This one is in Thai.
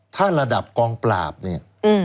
ถ้าระดับกองปราบเนี่ย